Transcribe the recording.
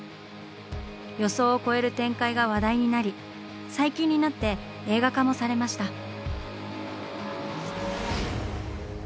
予想を超える展開が話題になり最近になって映画化もされました。